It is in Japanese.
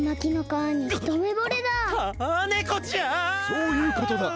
そういうことだ。